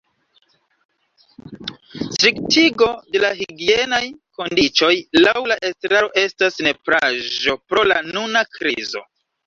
Striktigo de la higienaj kondiĉoj laŭ la estraro estas nepraĵo pro la nuna krizo.